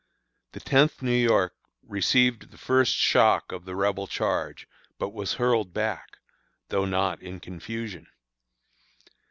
The Tenth New York received the first shock of the Rebel charge, but was hurled back, though not in confusion.